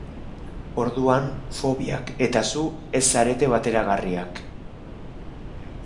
Orduan, fobiak eta zu ez zarete bateragarriak.